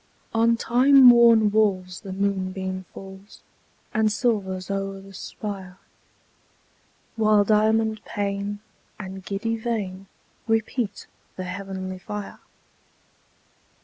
On time worn walls the moonbeam falls, And silvers o'er the spire, While diamond pane and giddy vane Repeat the heavenly fire.